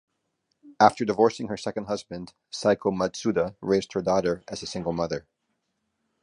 After divorcing her second husband, Seiko Matsuda raised her daughter as a single mother.